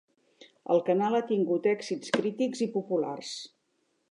El canal ha tingut èxits crítics i populars.